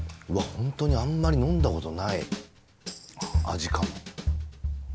ホントにあんまり飲んだことない味かも僕